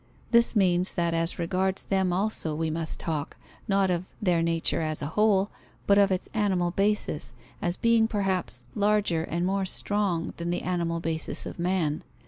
This means that as regards them also we must talk, not of their nature as a whole, but of its animal basis, as being perhaps larger and more strong than the animal basis of man.